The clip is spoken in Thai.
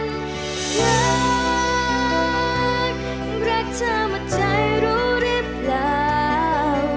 รักรักเธอหมดใจรู้รึเปล่า